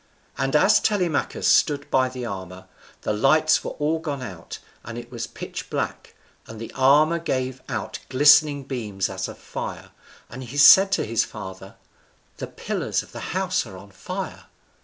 And as Telemachus stood by the armour, the lights were all gone out, and it was pitch dark, and the armour gave out glistering beams as of fire, and he said to his father, "The pillars of the house are on fire."